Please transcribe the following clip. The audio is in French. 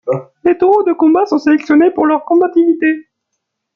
Les taureaux de combat sont sélectionnés pour leur combativité.